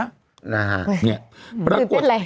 คือเป็นอะไร